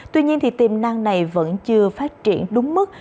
tuy nhiên thì tiềm năng này vẫn chưa phát triển đúng mức